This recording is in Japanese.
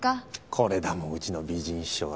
これだもんうちの美人秘書は。